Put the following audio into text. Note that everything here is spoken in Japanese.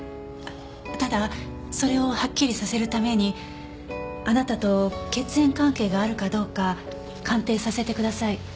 ただそれをはっきりさせるためにあなたと血縁関係があるかどうか鑑定させてください。